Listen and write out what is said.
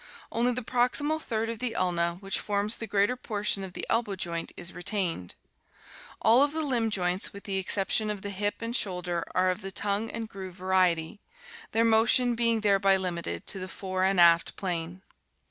Only the proximal third of the ulna, which forms the greater portion of the elbow joint, is retained. All of the limb joints with the exception of the hip and shoulder are of the tongue and groove variety, their motion being thereby limited to the fore and aft plane.